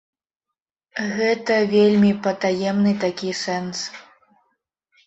Гэта вельмі патаемны такі сэнс.